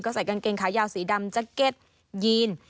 ใส่กางเกงขายาวสีดำแจ็คเก็ตยีน